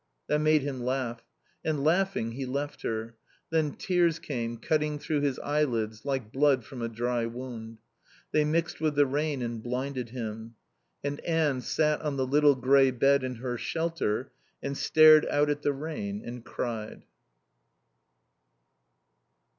That made him laugh. And, laughing, he left her. Then tears came, cutting through his eyelids like blood from a dry wound. They mixed with the rain and blinded him. And Anne sat on the little grey bed in her shelter and stared out at the rain and cried.